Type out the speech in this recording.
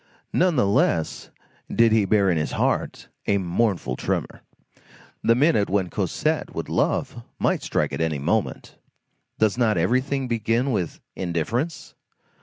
Nonetheless did he bear in his heart a mournful tremor. The minute when Cosette would love might strike at any moment. Does not everything begin with indifference?